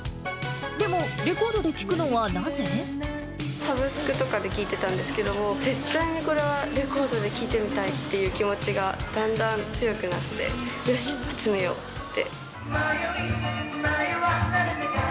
でも、サブスクとかで聴いてたんですけども、絶対にこれはレコードで聴いてみたいっていう気持ちがだんだん強くなって、よし、集めようって。